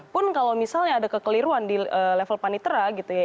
pun kalau misalnya ada kekeliruan di level panitera gitu ya